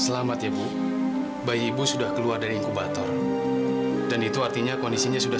selamat ya bu bayi ibu sudah keluar dari inkubator dan itu artinya kondisinya sudah